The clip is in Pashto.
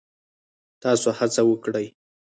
تاسو هڅه وکړئ